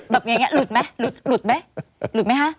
แบบอย่างงี้ลุดไหมหลุดไหม